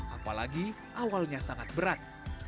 apalagi awalnya sangat berat